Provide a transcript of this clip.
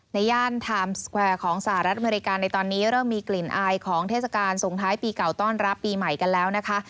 ย่านไทม์สแควร์ของสหรัฐอเมริกาในตอนนี้เริ่มมีกลิ่นอายของเทศกาลส่งท้ายปีเก่าต้อนรับปีใหม่กันแล้วนะคะ